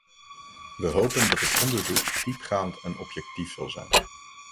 We hopen dat het onderzoek diepgaand en objectief zal zijn.